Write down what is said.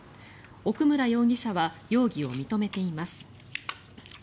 奥村容疑者は容疑を認めています。